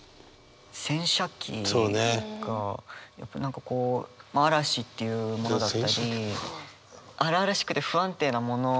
「洗車機」がやっぱ何かこう「嵐」っていうものだったり荒々しくて不安定なもの。